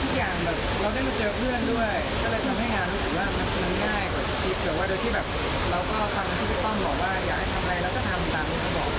แล้วที่อย่างเราได้มาเจอเพื่อนด้วย